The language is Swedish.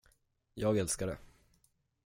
Jag älskar det.